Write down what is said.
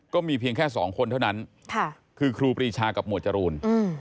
เพียงแค่สองคนเท่านั้นคือครูปรีชากับหมวดจรูน